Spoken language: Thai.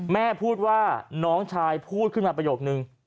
แม่พูดว่าน้องชายพูดขึ้นมาประโยคนึง